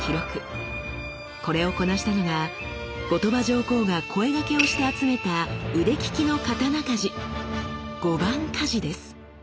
これをこなしたのが後鳥羽上皇が声掛けをして集めた腕利きの刀鍛冶「御番鍛冶」です。